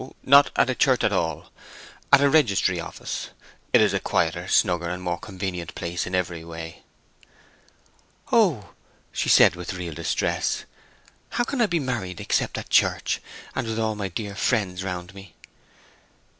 Not at a church at all. At a registry office. It is a quieter, snugger, and more convenient place in every way." "Oh," said she, with real distress. "How can I be married except at church, and with all my dear friends round me?"